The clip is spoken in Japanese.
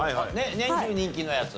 年中人気のやつ？